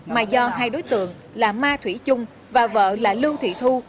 mà do hai đối tượng là ma thủy trung và vợ là lưu thị thu